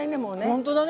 ほんとだね。